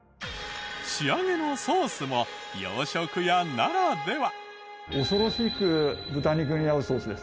仕上げのソースも洋食屋ならでは。